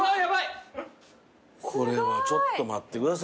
これはちょっと待ってくださいよ。